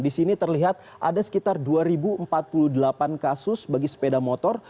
disini terlihat ada sekitar dua ribu empat puluh delapan kasus bagi sepeda motor